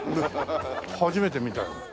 初めて見たよ。